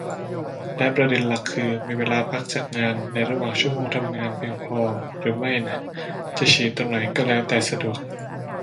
และประเด็นหลักคือ มีเวลาพักจากงานในระหว่างชั่วโมงทำงานเพียงพอหรือไม่น่ะ จะฉี่ตรงไหนก็แล้วแต่สะดวก